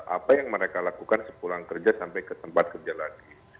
apa yang mereka lakukan sepulang kerja sampai ke tempat kerja lagi